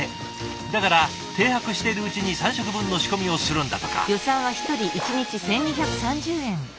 だから停泊しているうちに３食分の仕込みをするんだとか。